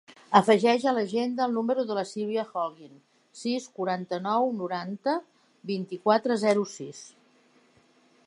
Afegeix a l'agenda el número de la Sílvia Holguin: sis, quaranta-nou, noranta, vint-i-quatre, zero, sis.